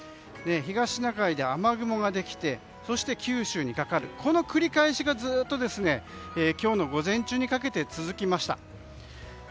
東シナ海で雨雲ができてそして九州にかかるこの繰り返しがずっと今日の午前中にかけて続きました。